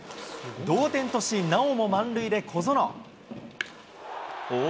同点とし、なおも満塁で小園。